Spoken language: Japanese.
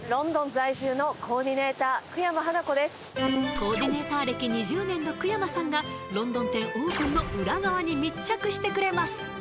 コーディネーター歴２０年の久山さんがロンドン店オープンの裏側に密着してくれます